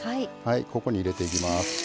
ここに入れていきます。